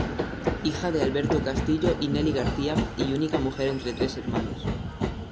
Hija de Alberto Castillo y Nelly García, y única mujer entre tres hermanos.